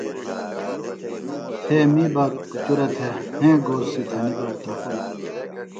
تھے می بہ کُچُرہ تھےۡ ہیں گھورڅیۡ تھنیۡ بہ اُترپِلوۡ